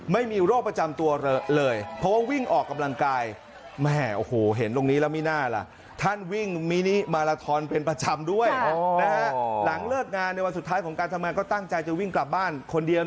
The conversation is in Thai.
ไม่มีโรคประจำตัวเลยเพราะว่าวิ่งออกกำลังกาย